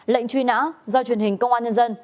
lệnh truy nã do truyền hình công an nhân dân